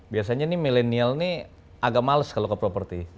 biasanya nih milenial ini agak males kalau ke properti